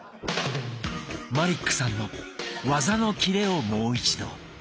マリックさんの技のキレをもう一度。